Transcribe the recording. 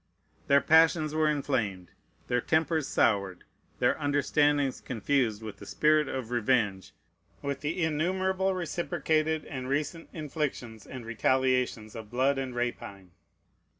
Their passions were inflamed, their tempers soured, their understandings confused with the spirit of revenge, with the innumerable reciprocated and recent inflictions and retaliations of blood and rapine.